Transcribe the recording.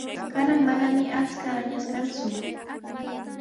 Kanan mananami achka añas kanku.